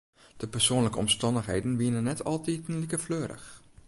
De persoanlike omstannichheden wiene net altiten like fleurich.